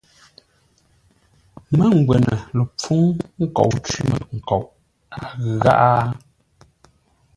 Mə́ngwə́nə lə pfúŋ nkou cwímənkoʼ, a ghʉ gháʼá ?